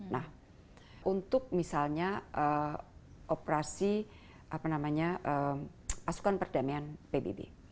nah untuk misalnya operasi pasukan perdamaian pbb